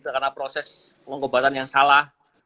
karena proses pengobatan yang salah